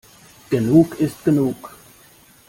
Genug ist genug.